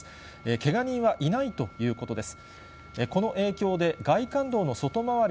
けが人はいないということです。